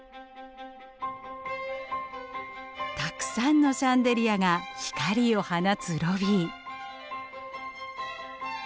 たくさんのシャンデリアが光を放つロビー。